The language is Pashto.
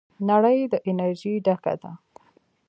نړۍ د انرژۍ ډکه ده.